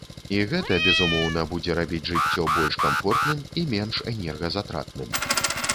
І гэта, безумоўна, будзе рабіць жыццё больш камфортным і менш энергазатратным.